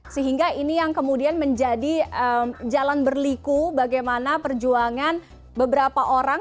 sehingga ini yang kemudian menjadi jalan berliku bagaimana perjuangan beberapa orang